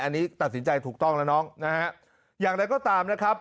อันนี้ตัดสินใจถูกต้องแล้วน้องนะฮะอย่างไรก็ตามนะครับ